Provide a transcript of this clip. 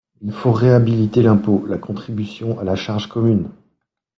Il faut réhabiliter l’impôt, la contribution à la charge commune.